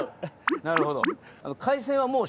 なるほど。